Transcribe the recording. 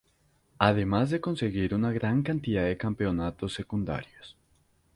Además de conseguir una gran cantidad de campeonatos secundarios.